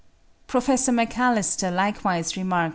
Professor Macalister likewise remarks (25.